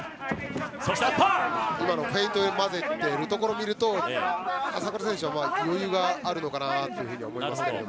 フェイントを織り交ぜているところを見ると朝倉選手は余裕があるのかなと思いますけども。